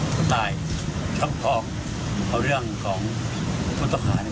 ผู้ตายชอบพอร์มเอาเรื่องของพุทธคาเนี่ย